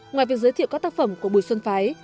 ngoài việc giới thiệu các tác phẩm của bùi xuân phái